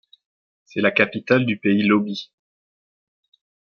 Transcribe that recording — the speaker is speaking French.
C'est la capitale du pays Lobi.